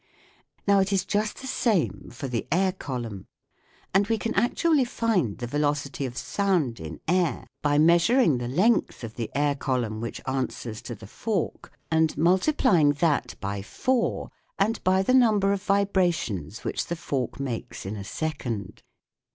Now it is just the same for the air column ; and we can actually find the velocity of sound in air by measuring the length of the air column which answers to the fork, and multiplying that by four 54 THE WORLD OF SOUND and by the number of vibrations which the fork makes in a second.